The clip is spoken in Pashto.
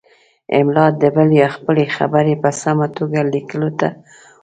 املاء د بل یا خپلې خبرې په سمه توګه لیکلو ته وايي.